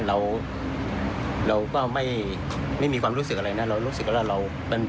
เราเราก็ไม่มีความรู้สึกอะไรนะเรารู้สึกว่าเรามัน